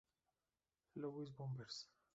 Louis Bombers